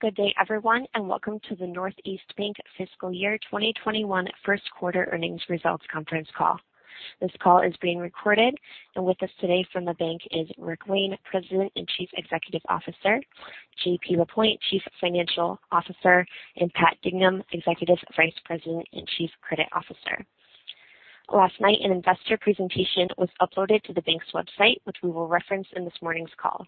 Good day everyone, welcome to the Northeast Bank Fiscal Year 2021 first quarter earnings results conference call. This call is being recorded. With us today from the bank is Rick Wayne, President and Chief Executive Officer, JP Lapointe, Chief Financial Officer, and Pat Dignan, Executive Vice President and Chief Credit Officer. Last night, an investor presentation was uploaded to the bank's website, which we will reference in this morning's call.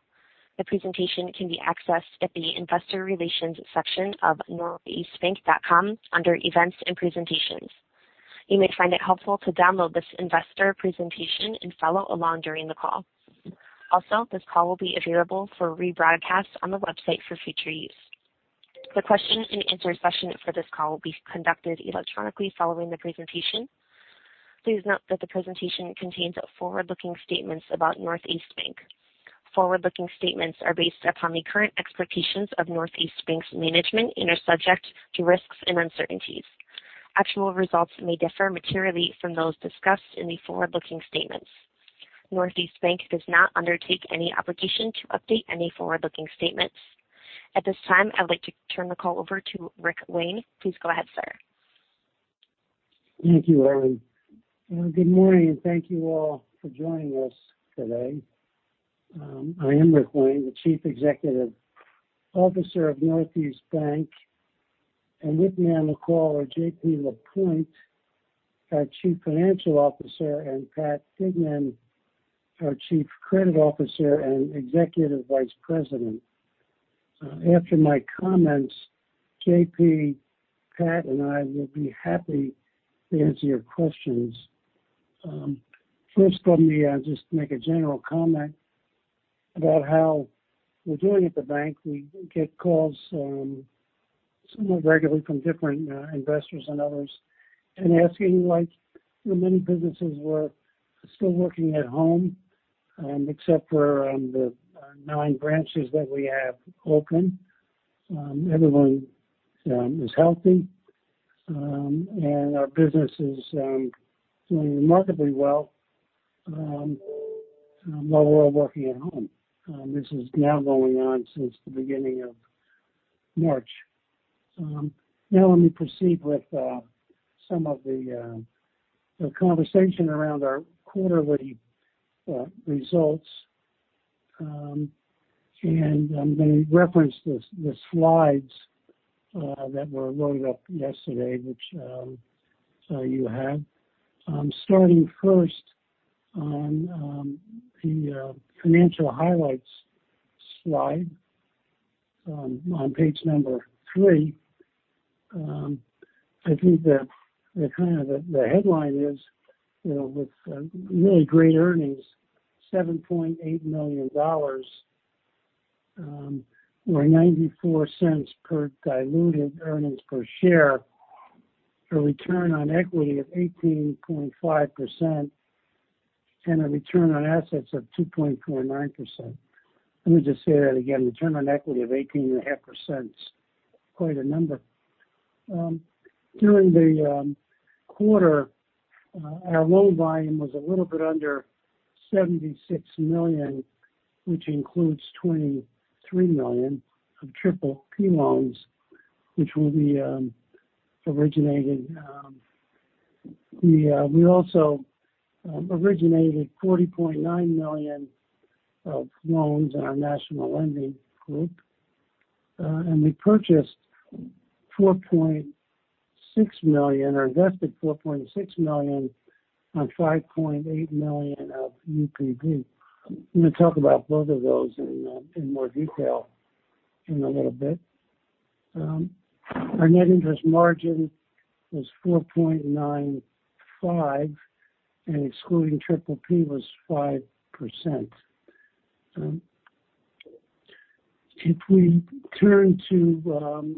The presentation can be accessed at the investor relations section of northeastbank.com under events and presentations. You may find it helpful to download this investor presentation and follow along during the call. This call will be available for rebroadcast on the website for future use. The question and answer session for this call will be conducted electronically following the presentation. Please note that the presentation contains forward-looking statements about Northeast Bank. Forward-looking statements are based upon the current expectations of Northeast Bank's management and are subject to risks and uncertainties. Actual results may differ materially from those discussed in the forward-looking statements. Northeast Bank does not undertake any obligation to update any forward-looking statements. At this time, I'd like to turn the call over to Rick Wayne. Please go ahead, sir. Thank you, Helen. Good morning, and thank you all for joining us today. I am Rick Wayne, the Chief Executive Officer of Northeast Bank. With me on the call are JP Lapointe, our Chief Financial Officer, and Pat Dignan, our Chief Credit Officer and Executive Vice President. After my comments, JP, Pat, and I will be happy to answer your questions. First, let me just make a general comment about how we're doing at the bank. We get calls somewhat regularly from different investors and others and asking like the many businesses, we're still working at home, except for the nine branches that we have open. Everyone is healthy, and our business is doing remarkably well while we're all working at home. This is now going on since the beginning of March. Now let me proceed with some of the conversation around our quarterly results. I'm going to reference the slides that were loaded up yesterday, which you have. Starting first on the financial highlights slide on page number three. I think the headline is, with really great earnings, $7.8 million, or $0.94 per diluted earnings per share, a return on equity of 18.5%, and a return on assets of 2.49%. Let me just say that again. Return on equity of 18.5% is quite a number. During the quarter, our loan volume was a little bit under $76 million, which includes $23 million of PPP loans, which will be originated. We also originated $40.9 million of loans in our National Lending group. We purchased $4.6 million, or invested $4.6 million on $5.8 million of UPB. I'm going to talk about both of those in more detail in a little bit. Our net interest margin was 4.95%, and excluding PPP was 5%. If we turn to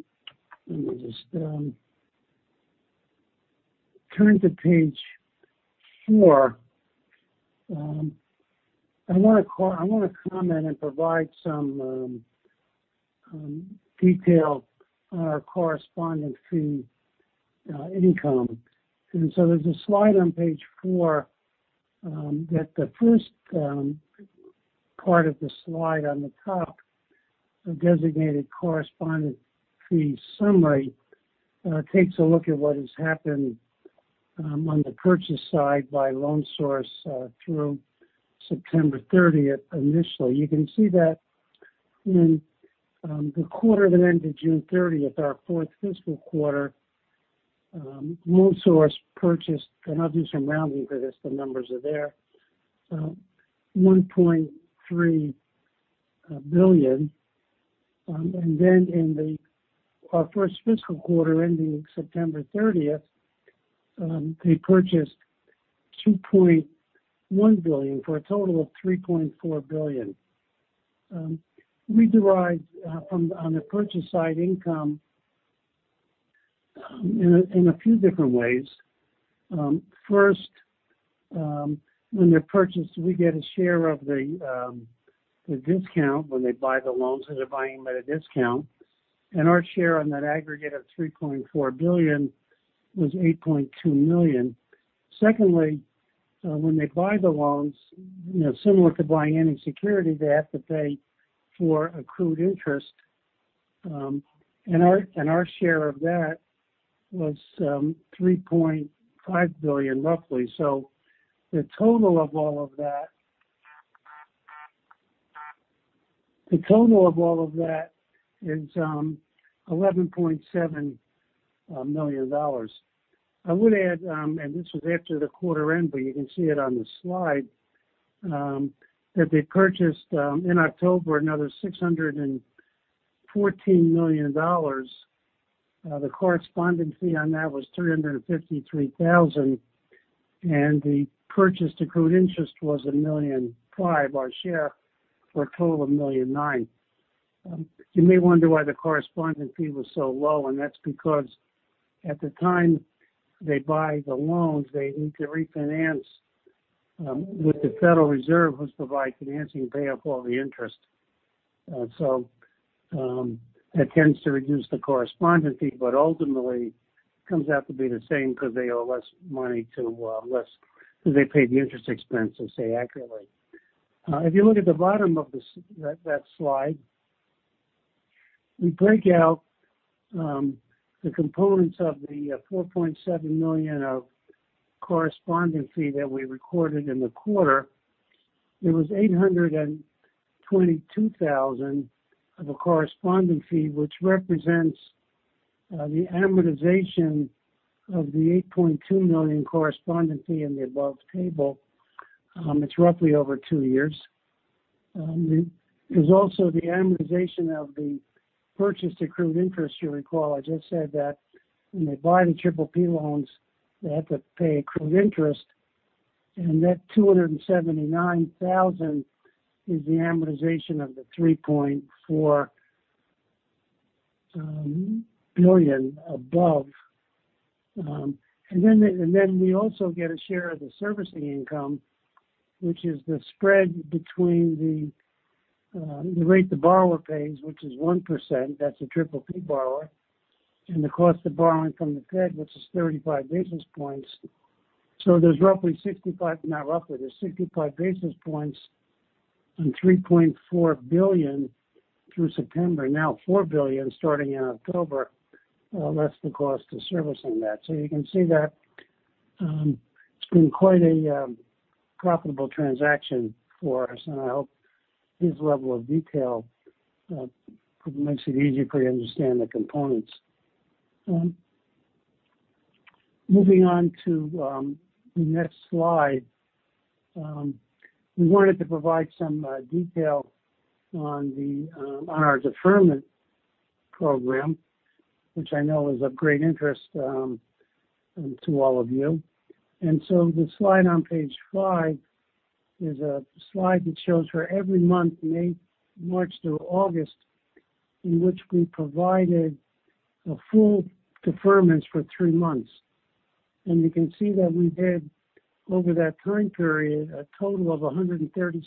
page four, I want to comment and provide some detail on our correspondent fee income. There's a slide on page four that the first part of the slide on the top, a designated correspondent fee summary, takes a look at what has happened on the purchase side by LoanSource through September 30th initially. You can see that in the quarter that ended June 30th, our fourth fiscal quarter, LoanSource purchased, and I'll do some rounding for this, the numbers are there, $1.3 billion. In our first fiscal quarter ending September 30th, they purchased $2.1 billion for a total of $3.4 billion. We derive on the purchase side income in a few different ways. First, when they're purchased, we get a share of the discount when they buy the loans, because they're buying them at a discount. Our share on that aggregate of $3.4 billion was $8.2 million. Secondly. When they buy the loans, similar to buying any security, they have to pay for accrued interest. Our share of that was $3.5 billion, roughly. The total of all of that is $11.7 million. I would add, and this was after the quarter end, but you can see it on the slide, that they purchased, in October, another $614 million. The correspondent fee on that was $353,000, and the purchase accrued interest was $1.5 million, our share, for a total of $1.9 million. You may wonder why the correspondent fee was so low. That's because at the time they buy the loans, they need to refinance with the Federal Reserve, who provide financing to pay off all the interest. That tends to reduce the correspondent fee, but ultimately comes out to be the same because they owe less money to less, because they paid the interest expense, let's say, accurately. If you look at the bottom of that slide, we break out the components of the $4.7 million of correspondent fee that we recorded in the quarter. It was $822,000 of a correspondent fee, which represents the amortization of the $8.2 million correspondent fee in the above table. It's roughly over two years. There's also the amortization of the purchase accrued interest. You recall I just said that when they buy the PPP loans, they have to pay accrued interest, and that $279,000 is the amortization of the $3.4 billion above. Then we also get a share of the servicing income, which is the spread between the rate the borrower pays, which is 1%, that's a PPP borrower, and the cost of borrowing from the Fed Reserve, which is 35 basis points. There's roughly 65 basis points, not roughly, there's 65 basis points on $3.4 billion through September. Now $4 billion starting in October. That's the cost of servicing that. You can see that it's been quite a profitable transaction for us, and I hope this level of detail makes it easier for you to understand the components. Moving on to the next slide. We wanted to provide some detail on our deferment program, which I know is of great interest to all of you. The slide on page five is a slide that shows for every month in March through August, in which we provided a full deferment for three months. You can see that we did, over that time period, a total of $136.2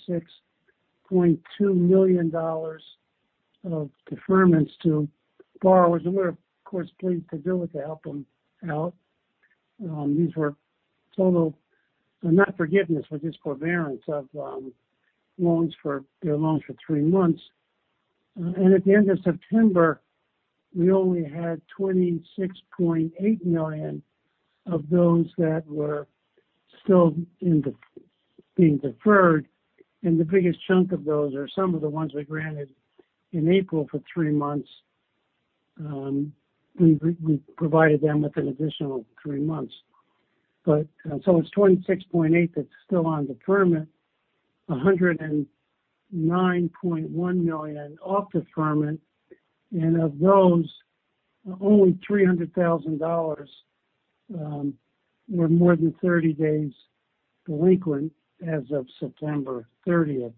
million of deferments to borrowers, and we're of course, pleased to do it to help them out. These were total, not forgiveness, but just forbearance of loans for three months. At the end of September, we only had $26.8 million of those that were still being deferred. The biggest chunk of those are some of the ones we granted in April for three months. We provided them with an additional three months. It's $26.8 million that's still on deferment, $109.1 million off deferment, and of those, only $300,000 were more than 30 days delinquent as of September 30th.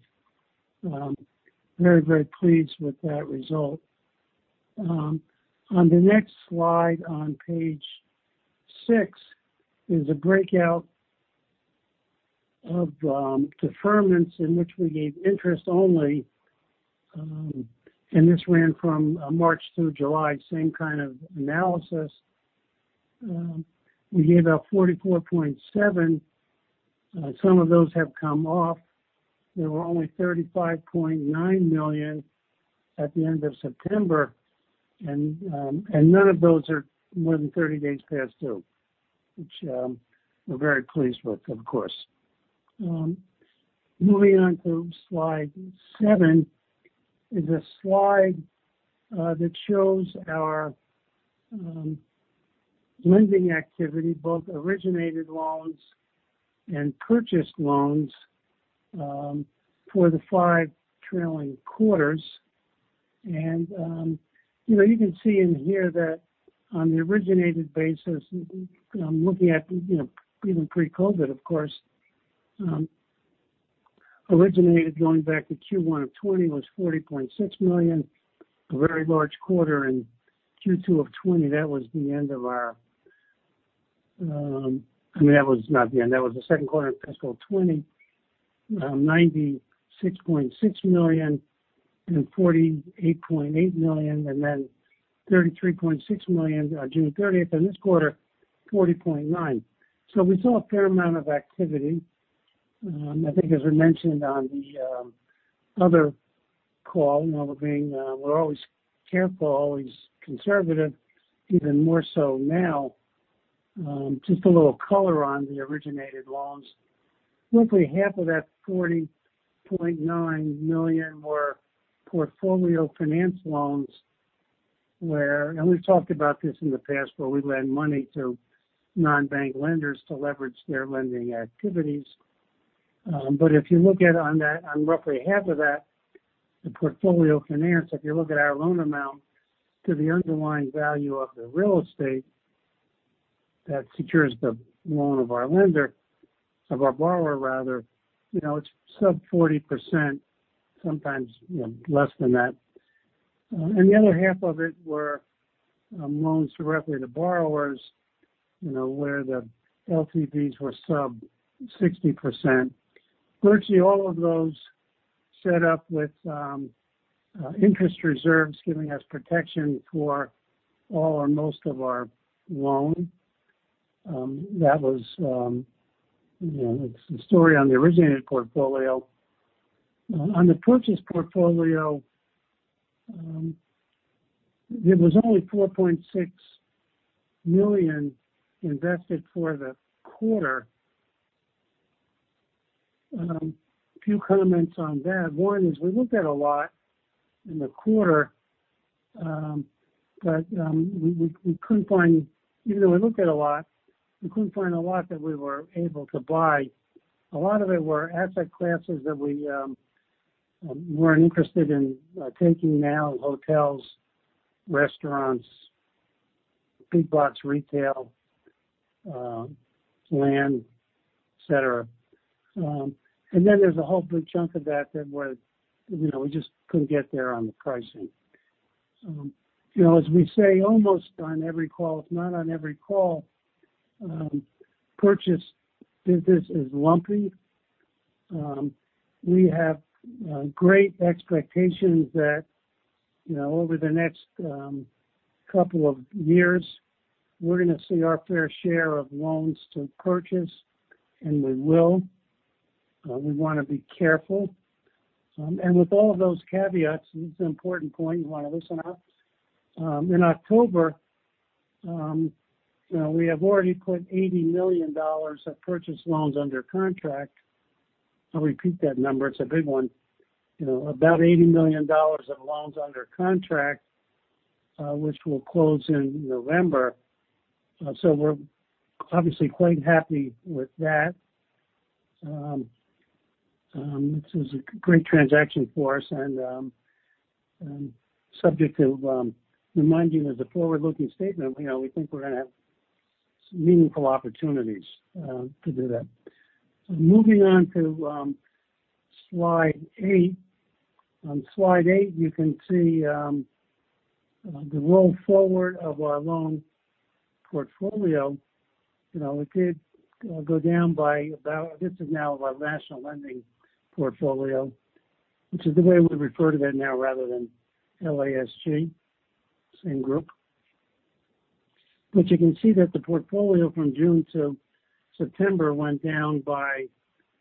Very, very pleased with that result. On the next slide on page six is a breakout of deferments in which we gave interest only, and this ran from March through July. Same kind of analysis. We gave out $44.7 million. Some of those have come off. There were only $35.9 million at the end of September, and none of those are more than 30 days past due, which we're very pleased with, of course. Moving on to slide seven is a slide that shows our lending activity, both originated loans and purchased loans, for the five trailing quarters. You can see in here that on the originated basis, I'm looking at even pre-COVID-19, of course, originated going back to Q1 of 2020 was $40.6 million. A very large quarter in Q2 of 2020. I mean, that was not the end. That was the second quarter of fiscal 2020, $96.6 million and $48.8 million, and then $33.6 million on June 30th, and this quarter, $40.9 million. We saw a fair amount of activity. I think as we mentioned on the other call, we're always careful, always conservative, even more so now. Just a little color on the originated loans. Roughly half of that $40.9 million were lender finance where, and we've talked about this in the past, where we lend money to non-bank lenders to leverage their lending activities. If you look at on roughly half of that, the portfolio finance, if you look at our loan amount to the underlying value of the real estate that secures the loan of our lender, of our borrower rather, it's sub 40%, sometimes less than that. The other half of it were loans directly to borrowers, where the LTVs were sub 60%. Virtually all of those set up with interest reserves giving us protection for all or most of our loan. That was the story on the originated portfolio. On the purchase portfolio, there was only $4.6 million invested for the quarter. A few comments on that. One is, we looked at a lot in the quarter, but even though we looked at a lot, we couldn't find a lot that we were able to buy. A lot of it were asset classes that we weren't interested in taking now, hotels, restaurants, big box retail, land, et cetera. Then there's a whole big chunk of that was, we just couldn't get there on the pricing. As we say almost on every call, if not on every call, purchase business is lumpy. We have great expectations that over the next couple of years, we're going to see our fair share of loans to purchase, and we will. We want to be careful. With all of those caveats, and it's an important point, you want to listen up. In October, we have already put $80 million of purchase loans under contract. I'll repeat that number. It's a big one. About $80 million of loans under contract, which will close in November. We're obviously quite happy with that. This is a great transaction for us and subject to remind you as a forward-looking statement, we think we're going to have meaningful opportunities to do that. Moving on to slide eight. On slide eight, you can see the roll forward of our loan portfolio. It did go down by about, this is now our National Lending portfolio, which is the way we refer to that now rather than LASG, same group. You can see that the portfolio from June to September went down by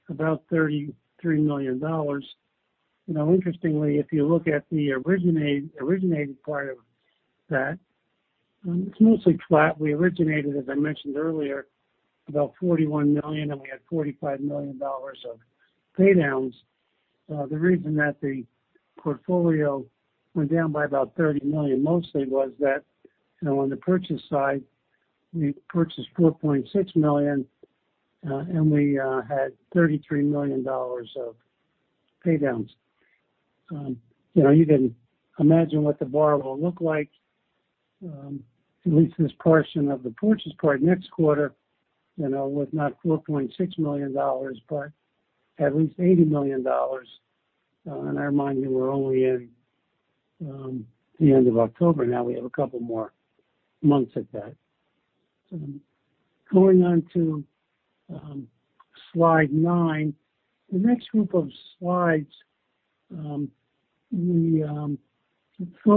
about $33 million. Interestingly, if you look at the originated part of that, it's mostly flat. We originated, as I mentioned earlier, about $41 million, and we had $45 million of pay downs. The reason that the portfolio went down by about $30 million mostly was that on the purchase side, we purchased $4.6 million, and we had $33 million of pay downs. You can imagine what the borrow will look like, at least this portion of the purchase part next quarter, with not $4.6 million, but at least $80 million. I remind you, we're only in the end of October now. We have a couple more months at that. Going on to slide nine. The next group of slides, thought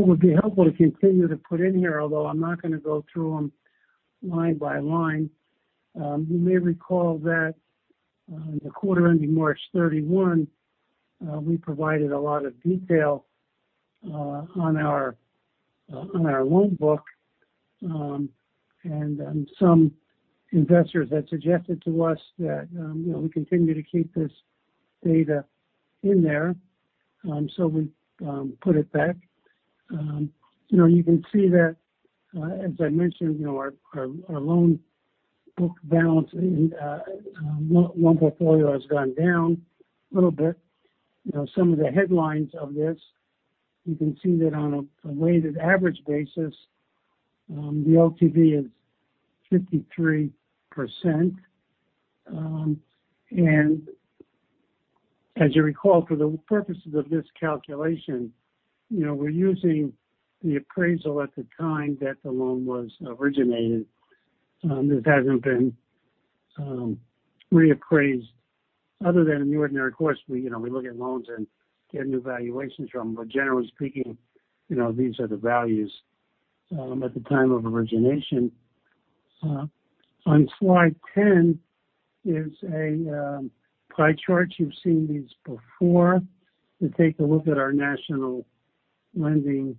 would be helpful to continue to put in here, although I'm not going to go through them line by line. You may recall that the quarter ending March 31, we provided a lot of detail on our loan book, and some investors had suggested to us that we continue to keep this data in there. We put it back. You can see that, as I mentioned, our loan book balance, loan portfolio, has gone down a little bit. Some of the headlines of this, you can see that on a weighted average basis, the LTV is 53%. As you recall, for the purposes of this calculation, we're using the appraisal at the time that the loan was originated. This hasn't been reappraised other than in the ordinary course. We look at loans and get new valuations from them, generally speaking, these are the values at the time of origination. On slide 10 is a pie chart. You've seen these before. We take a look at our National Lending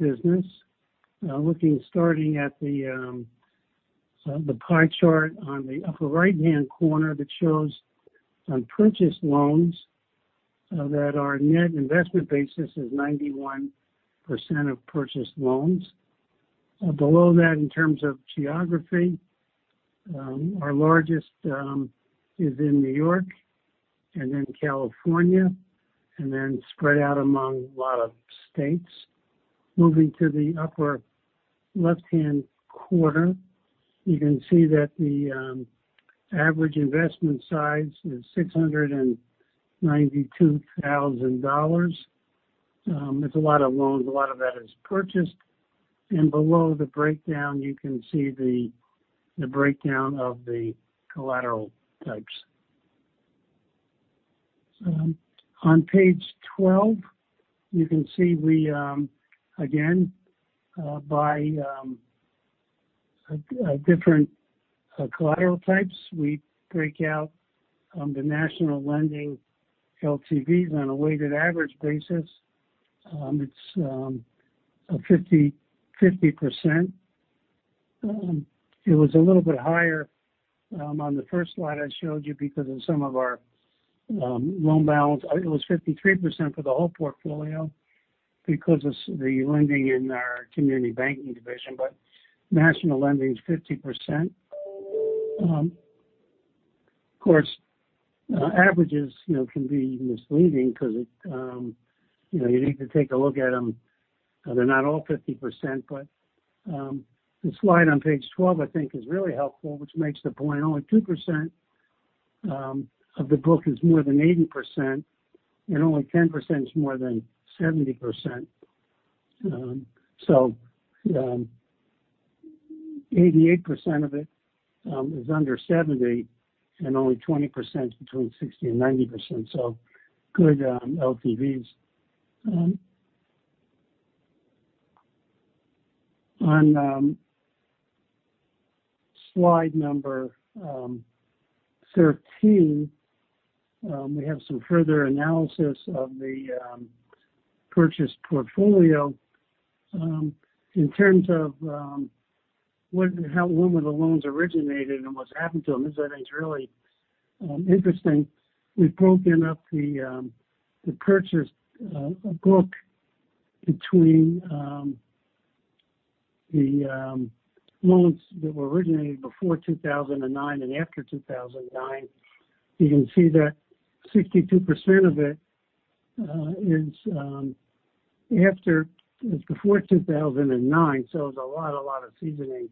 business, looking starting at the pie chart on the upper right-hand corner that shows on purchased loans that our net investment basis is 91% of purchased loans. Below that, in terms of geography, our largest is in N.Y. and then California, and then spread out among a lot of states. Moving to the upper left-hand corner, you can see that the average investment size is $692,000. It's a lot of loans. A lot of that is purchased. Below the breakdown, you can see the breakdown of the collateral types. On page 12, you can see we, again, by different collateral types, we break out the National Lending LTVs on a weighted average basis. It's 50%. It was a little bit higher on the first slide I showed you because of some of our loan balance. It was 53% for the whole portfolio because of the lending in our community banking division. National Lending is 50%. Of course, averages can be misleading because you need to take a look at them. They're not all 50%, but the slide on page 12, I think, is really helpful, which makes the point only 2% of the book is more than 80%, and only 10% is more than 70%. 88% of it is under 70% and only 20% between 60% and 90%, so good LTVs. On slide number 13, we have some further analysis of the purchased portfolio, in terms of when were the loans originated and what's happened to them is I think really interesting. We've broken up the purchased book between the loans that were originated before 2009 and after 2009. You can see that 62% of it is before 2009, so it's a lot of seasoning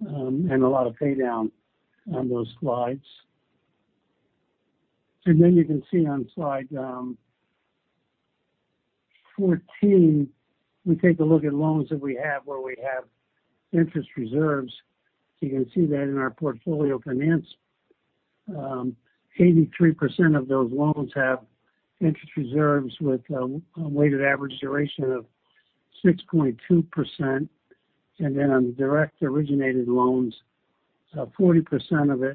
and a lot of pay down on those slides. Then you can see on slide 14, we take a look at loans that we have where we have interest reserves. You can see that in our portfolio finance, 83% of those loans have interest reserves with a weighted average duration of 6.2%. On the direct originated loans, 40%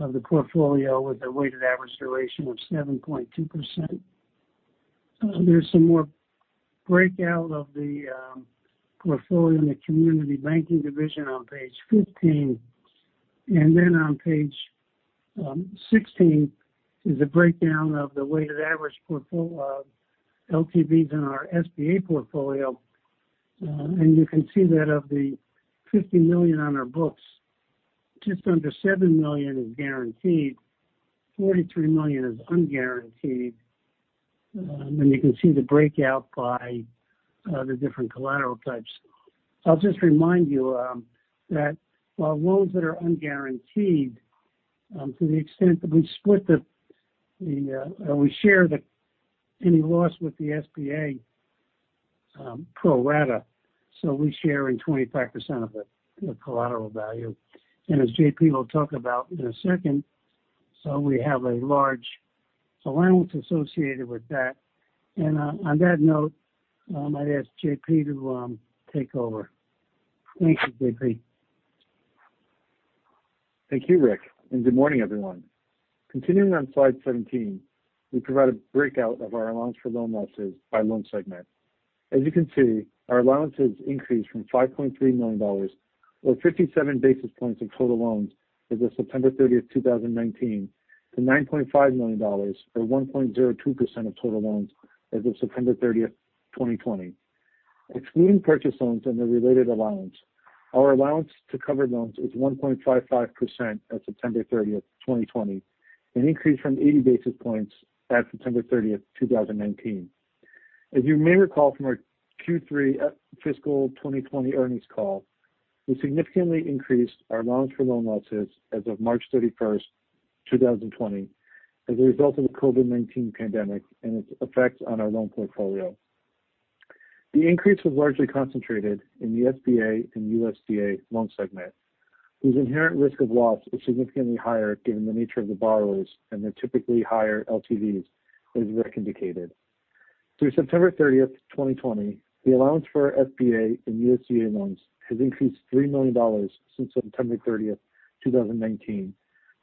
of the portfolio with a weighted average duration of 7.2%. There's some more breakout of the portfolio in the community banking division on page 15. On page 16 is a breakdown of the weighted average LTVs in our SBA portfolio. You can see that of the $50 million on our books, just under $7 million is guaranteed, $43 million is unguaranteed. You can see the breakout by the different collateral types. I'll just remind you that loans that are unguaranteed, to the extent that we share any loss with the SBA pro rata. We share in 25% of the collateral value. As JP will talk about in a second, we have a large allowance associated with that. On that note, I'd ask JP to take over. Thank you, JP. Thank you, Rick, and good morning, everyone. Continuing on slide 17, we provide a breakout of our allowance for loan losses by loan segment. As you can see, our allowances increased from $5.3 million, or 57 basis points of total loans as of September 30th, 2019, to $9.5 million, or 1.02% of total loans as of September 30th, 2020. Excluding purchase loans and the related allowance, our allowance to cover loans is 1.55% at September 30th, 2020, an increase from 80 basis points at September 30th, 2019. As you may recall from our Q3 fiscal 2020 earnings call, we significantly increased our allowance for loan losses as of March 31st, 2020, as a result of the COVID-19 pandemic and its effects on our loan portfolio. The increase was largely concentrated in the SBA and USDA loan segment, whose inherent risk of loss is significantly higher given the nature of the borrowers and their typically higher LTVs, as Rick indicated. Through September 30th, 2020, the allowance for our SBA and USDA loans has increased $3 million since September 30th, 2019,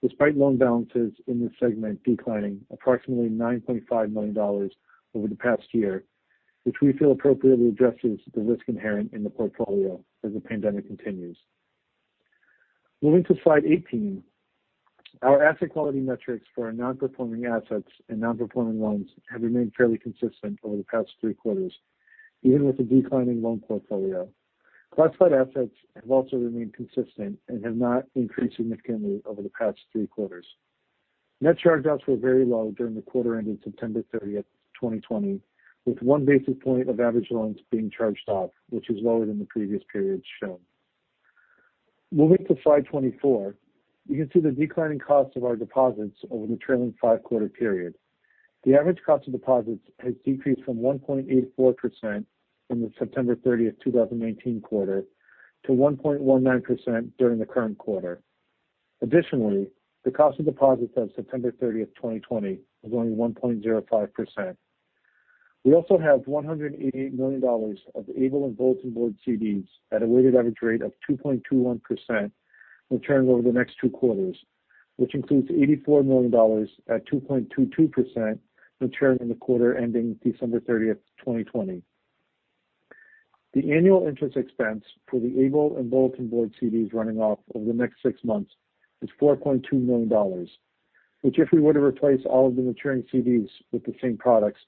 despite loan balances in this segment declining approximately $9.5 million over the past year, which we feel appropriately addresses the risk inherent in the portfolio as the pandemic continues. Moving to slide 18, our asset quality metrics for our non-performing assets and non-performing loans have remained fairly consistent over the past three quarters, even with a declining loan portfolio. Classified assets have also remained consistent and have not increased significantly over the past three quarters. Net charge-offs were very low during the quarter ending September 30th, 2020, with one basis point of average loans being charged off, which is lower than the previous periods shown. Moving to slide 24, you can see the declining cost of our deposits over the trailing five-quarter period. The average cost of deposits has decreased from 1.84% from the September 30th, 2019 quarter to 1.19% during the current quarter. Additionally, the cost of deposits as of September 30th, 2020 was only 1.05%. We also have $188 million of ABLE and Bulletin Board CDs at a weighted average rate of 2.21% maturing over the next two quarters, which includes $84 million at 2.22% maturing in the quarter ending December 30th, 2020. The annual interest expense for the ABLE and bulletin board CDs running off over the next six months is $4.2 million, which if we were to replace all of the maturing CDs with the same products,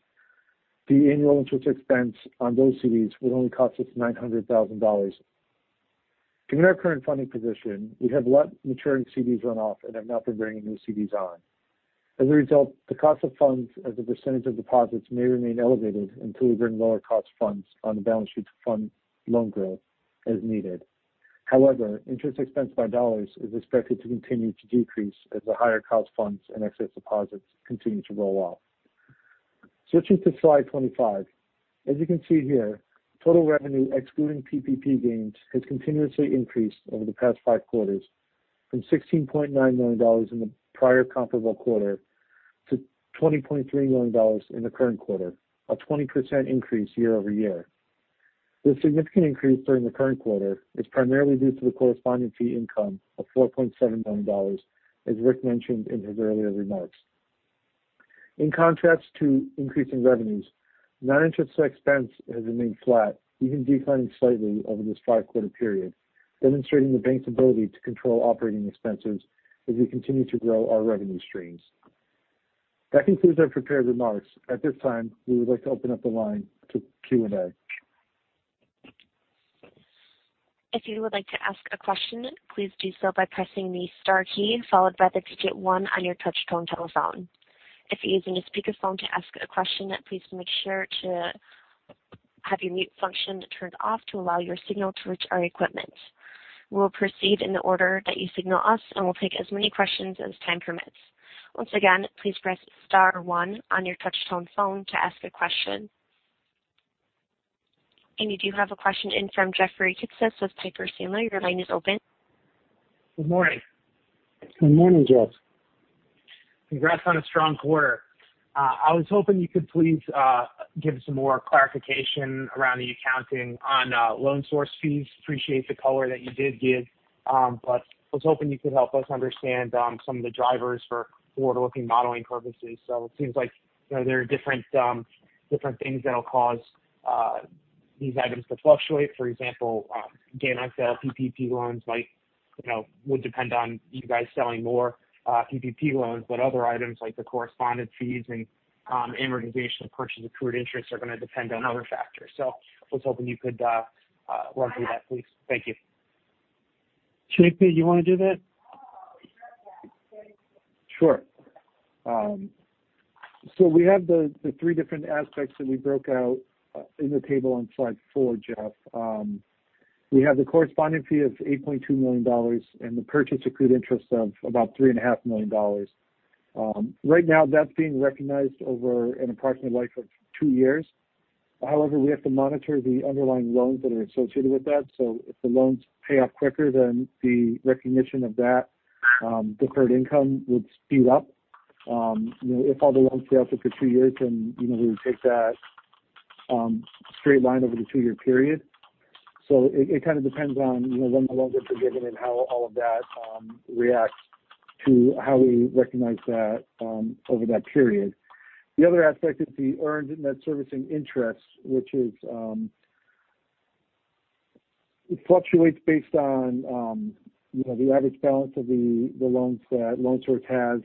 the annual interest expense on those CDs would only cost us $900,000. Given our current funding position, we have let maturing CDs run off and have not been bringing new CDs on. As a result, the cost of funds as a percentage of deposits may remain elevated until we bring lower cost funds on the balance sheet to fund loan growth as needed. However, interest expense by dollars is expected to continue to decrease as the higher cost funds and excess deposits continue to roll off. Switching to slide 25. As you can see here, total revenue excluding PPP gains has continuously increased over the past five quarters from $16.9 million in the prior comparable quarter to $20.3 million in the current quarter, a 20% increase year-over-year. The significant increase during the current quarter is primarily due to the correspondent fee income of $4.7 million, as Rick mentioned in his earlier remarks. In contrast to increasing revenues, non-interest expense has remained flat, even declining slightly over this five-quarter period, demonstrating the bank's ability to control operating expenses as we continue to grow our revenue streams. That concludes our prepared remarks. At this time, we would like to open up the line to Q&A. If you would like to ask a question, please do so by pressing the star key followed by the digit one on your touchtone telephone. If you're using a speakerphone to ask a question, please make sure to have your mute function turned off to allow your signal to reach our equipment. We'll proceed in the order that you signal us, we'll take as many questions as time permits. Once again, please press star one on your touchtone phone to ask a question. We do have a question in from Jeffrey Kitsis with Piper Sandler. Your line is open. Good morning. Good morning, Jeffrey. Congrats on a strong quarter. I was hoping you could please give some more clarification around the accounting on Loan Source fees. Appreciate the color that you did give. I was hoping you could help us understand some of the drivers for forward-looking modeling purposes. It seems like there are different things that'll cause these items to fluctuate. For example, gain on sale PPP loans might depend on you guys selling more PPP loans, but other items like the correspondent fees and amortization of purchase accrued interest are going to depend on other factors. I was hoping you could walk through that, please. Thank you. JP, you want to do that? Sure. We have the three different aspects that we broke out in the table on slide four, Jeffrey. We have the correspondent fee of $8.2 million and the purchase accrued interest of about $3.5 million. Right now, that's being recognized over an approximate life of two years. We have to monitor the underlying loans that are associated with that. If the loans pay off quicker, the recognition of that deferred income would speed up. If all the loans pay off after two years, we would take that straight line over the two-year period. It kind of depends on when the loans are forgiven and how all of that reacts to how we recognize that over that period. The other aspect is the earned and net servicing interest. It fluctuates based on the average balance of the loans that Loan Source has,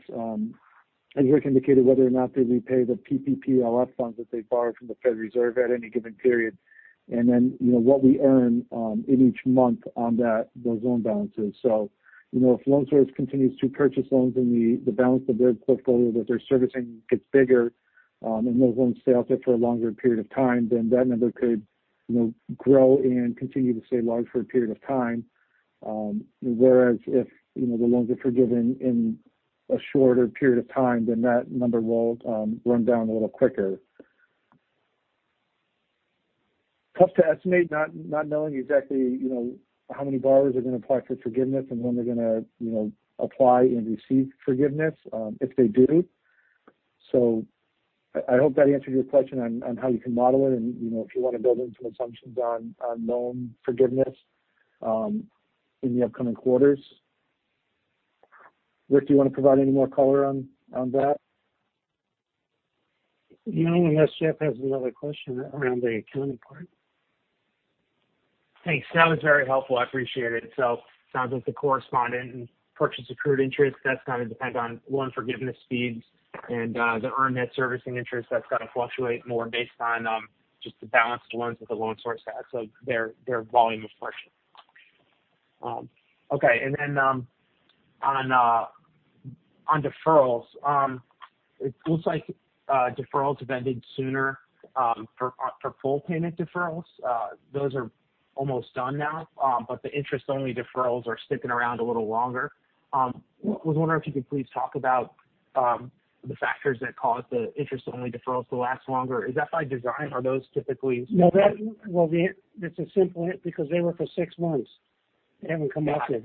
as Rick indicated, whether or not they repay the PPP or PPPLF loans that they borrowed from the Fed Reserve at any given period. Then what we earn in each month on those loan balances. If Loan Source continues to purchase loans and the balance of their portfolio that they're servicing gets bigger, and those loans stay out there for a longer period of time, then that number could grow and continue to stay large for a period of time. Whereas if the loans are forgiven in a shorter period of time, then that number will run down a little quicker. Tough to estimate, not knowing exactly how many borrowers are going to apply for forgiveness and when they're going to apply and receive forgiveness, if they do. I hope that answers your question on how you can model it. If you want to build in some assumptions on loan forgiveness in the upcoming quarters. Rick, do you want to provide any more color on that? No, unless Jeffrey has another question around the accounting part. Thanks. That was very helpful, I appreciate it. Sounds like the correspondent purchase accrued interest, that's going to depend on loan forgiveness speeds and the earned net servicing interest, that's going to fluctuate more based on just the balanced loans that the Loan Source has. Their volume of purchases. Okay. On deferrals, it looks like deferrals have ended sooner, for full payment deferrals. Those are almost done now. The interest-only deferrals are sticking around a little longer. I was wondering if you could please talk about the factors that caused the interest-only deferrals to last longer. Is that by design? Are those typically- That's a simple answer, because they were for six months. They haven't come up yet.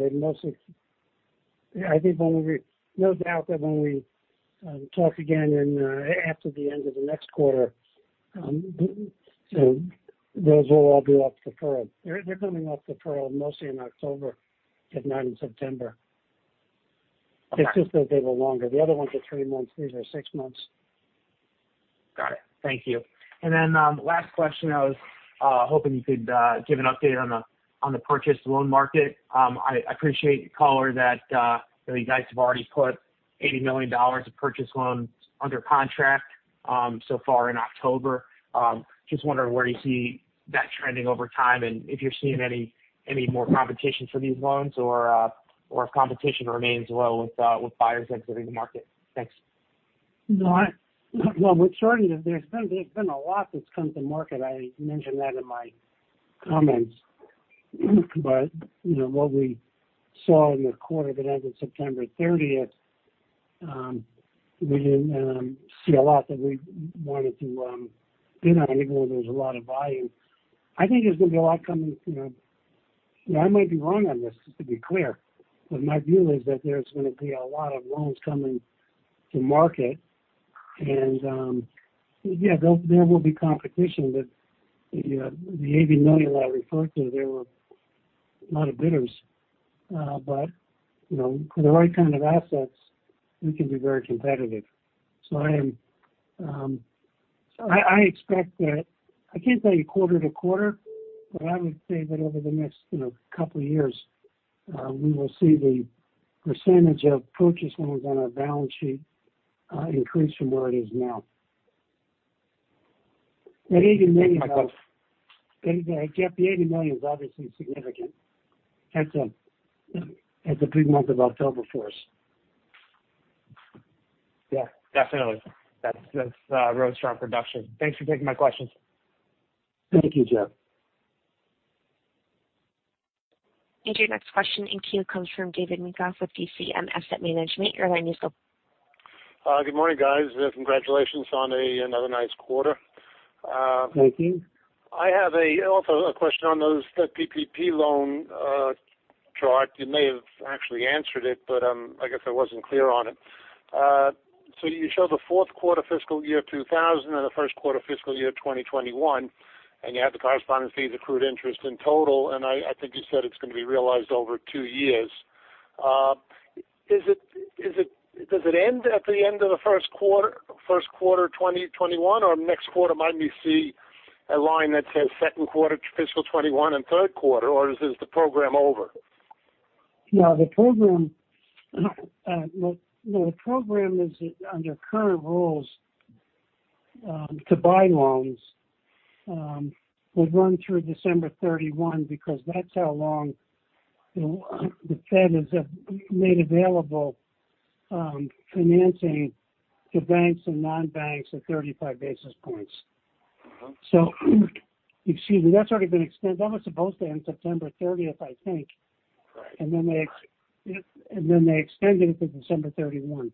No doubt that when we talk again after the end of the next quarter, those will all be off deferral. They're coming off deferral mostly in October, if not in September. Okay. It's just that they were longer. The other ones are three months, these are six months. Got it. Thank you. Last question, I was hoping you could give an update on the purchase loan market. I appreciate your color that you guys have already put $80 million of purchase loans under contract so far in October. Just wondering where you see that trending over time, and if you're seeing any more competition for these loans, or if competition remains low with buyers exiting the market. Thanks. No. Well, with shorties, there's been a lot that's come to market. I mentioned that in my comments. What we saw in the quarter that ended September 30th, we didn't see a lot that we wanted to bid on, even though there was a lot of volume. I think there's going to be a lot coming. I might be wrong on this, just to be clear. My view is that there's going to be a lot of loans coming to market. Yeah, there will be competition, but the $80 million I referred to, there were a lot of bidders. For the right kind of assets, we can be very competitive. I expect that, I can't tell you quarter to quarter, but I would say that over the next couple of years, we will see the percentage of purchase loans on our balance sheet increase from where it is now. That $80 million. Okay Jeffrey, the $80 million is obviously significant. That's a big month of October for us. Yeah, definitely. That's really strong production. Thanks for taking my questions. Thank you, Jeffrey. Your next question in queue comes from David Minkoff with DCM Asset Management. Your line is open. Good morning, guys. Congratulations on another nice quarter. Thank you. I have also a question on those PPP loan chart. You may have actually answered it, but I guess I wasn't clear on it. You show the fourth quarter fiscal year 2020 and the first quarter fiscal year 2021, and you have the correspondent fees accrued interest in total, and I think you said it's going to be realized over two years. Does it end at the end of the first quarter 2021, or next quarter might we see a line that says second quarter fiscal 2021 and third quarter, or is the program over? No. The program is under current rules, to buy loans, will run through December 31 because that's how long the Fed Reserve has made available financing to banks and non-banks at 35 basis points. Excuse me, that's already been extended. That was supposed to end September 30th, I think. Right. They extended it to December 31.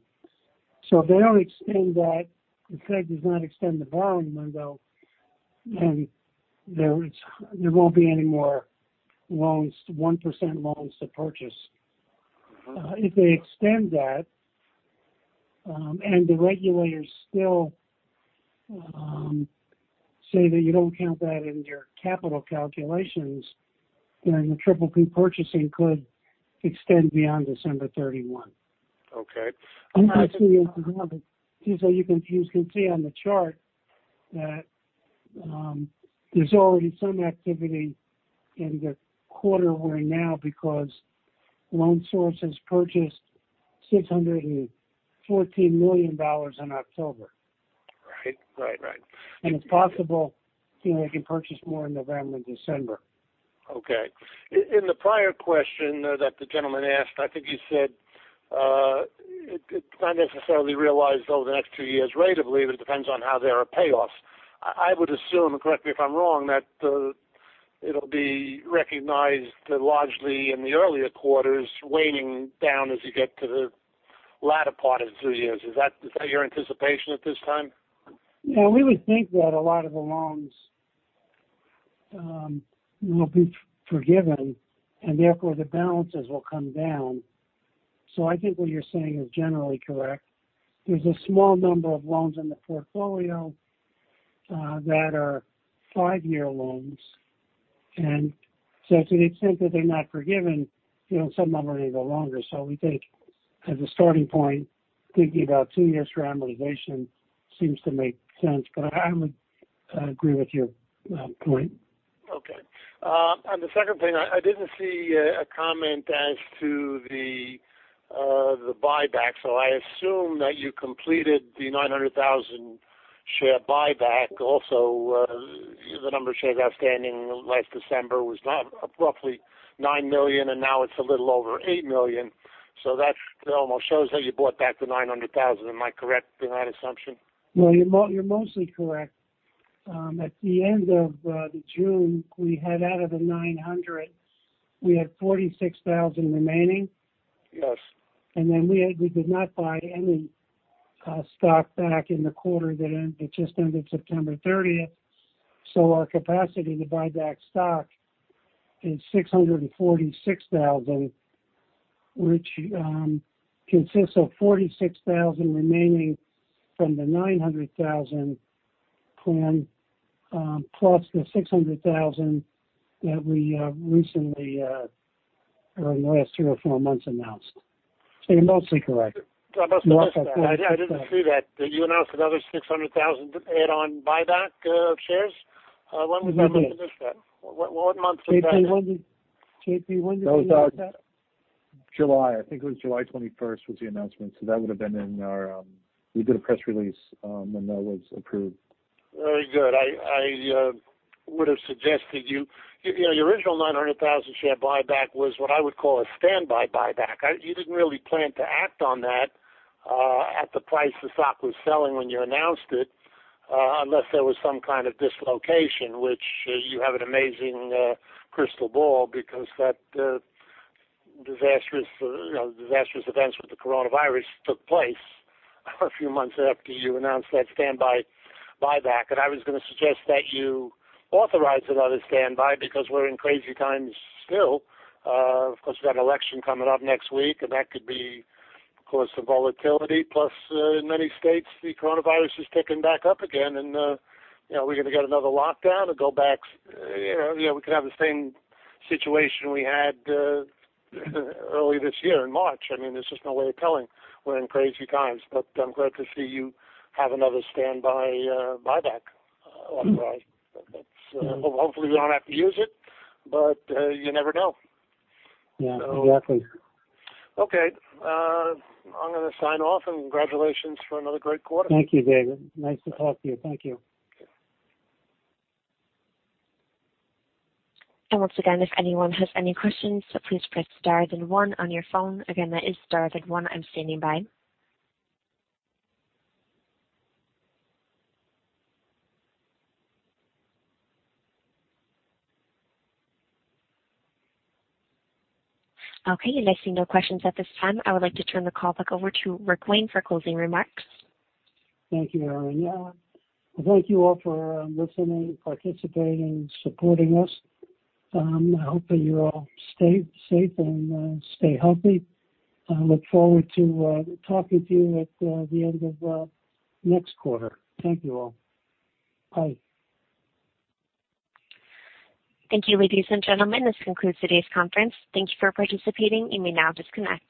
If they don't extend that, the Fed does not extend the borrowing window, then there won't be any more 1% loans to purchase. If they extend that, and the regulators still say that you don't count that in your capital calculations, then the triple P purchasing could extend beyond December 31. Okay. As you can see on the chart, that there's already some activity in the quarter we're in now because Loan Source has purchased $614 million in October. Right. It's possible they can purchase more in November and December. Okay. In the prior question that the gentleman asked, I think you said it's not necessarily realized over the next two years, reasonably, but it depends on how they are paid off. I would assume, and correct me if I'm wrong, that it'll be recognized largely in the earlier quarters, waning down as you get to the latter part of the two years. Is that your anticipation at this time? Yeah, we would think that a lot of the loans will be forgiven, and therefore the balances will come down. I think what you're saying is generally correct. There's a small number of loans in the portfolio that are five-year loans. To the extent that they're not forgiven, some of them are going to go longer. We take as a starting point, thinking about two years for amortization seems to make sense. I would agree with your point. Okay. The second thing, I didn't see a comment as to the buyback, so I assume that you completed the $900,000 share buyback. The number of shares outstanding last December was roughly 9 million shares, and now it's a little over 8 million shares. That almost shows how you bought back the $900,000. Am I correct in that assumption? Well, you're mostly correct. At the end of June, we had out of the $900,000, we had $46,000 remaining. Yes. Then we did not buy any stock back in the quarter that just ended September 30th. Our capacity to buy back stock is $646,000, which consists of $46,000 remaining from the $900,000 plan, plus the $600,000 that we recently, in the last three or four months, announced. You're mostly correct. I must have missed that. I didn't see that. You announced another $600,000 add-on buyback of shares? When was that? Nothing. What month was that? JP, when did we announce that? That was July. I think it was July 21st was the announcement. That would have been. We did a press release when that was approved. Very good. I would have suggested your original $900,000 share buyback was what I would call a standby buyback. You didn't really plan to act on that at the price the stock was selling when you announced it, unless there was some kind of dislocation, which you have an amazing crystal ball because that disastrous events with the coronavirus took place a few months after you announced that standby buyback. I was going to suggest that you authorize another standby because we're in crazy times still. Of course, we've got election coming up next week, and that could be the cause of volatility. Plus, in many states, the coronavirus is ticking back up again, and we're going to get another lockdown or go back. We could have the same situation we had early this year in March. There's just no way of telling. We're in crazy times, but I'm glad to see you have another standby buyback authorized. Hopefully, we don't have to use it, but you never know. Yeah, exactly. Okay. I'm going to sign off, and congratulations for another great quarter. Thank you, David. Nice to talk to you. Thank you. Once again, if anyone has any questions, please press star then one on your phone. Again, that is star then one. I'm standing by. Okay, I see no questions at this time. I would like to turn the call back over to Rick Wayne for closing remarks. Thank you, Helen. Thank you all for listening, participating, and supporting us. I hope that you all stay safe and stay healthy. I look forward to talking to you at the end of next quarter. Thank you all. Bye. Thank you, ladies and gentlemen. This concludes today's conference. Thank you for participating. You may now disconnect.